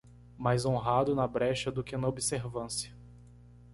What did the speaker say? Mais honrado na brecha do que na observância